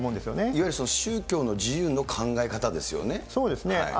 いわゆるその宗教の自由の考そうですね。